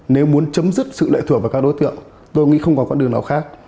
nếu muốn chấm dứt sự lệ thuộc vào các đối tượng tôi nghĩ không có con đường nào khác